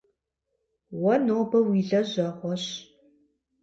Уэ нобэ уи лэжьэгъуэщ.